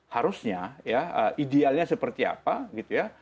harusnya ya idealnya seperti apa gitu ya